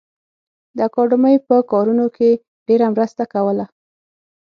د اکاډمۍ په کارونو کې ډېره مرسته کوله